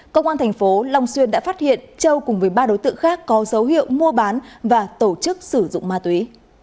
công an thành phố long xuyên đã phát hiện châu cùng với ba đối tượng khác có dấu hiệu mua bán và tổ chức sử dụng ma túy